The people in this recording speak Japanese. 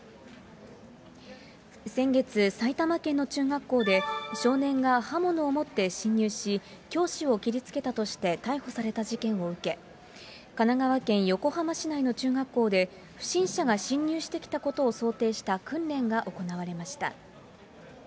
先月、埼玉県の中学校で、少年が刃物を持って侵入し、教師を切りつけたとして逮捕された事件を受け、神奈川県横浜市内の中学校で、不審者が侵入してきたことを想定した訓練が行われました。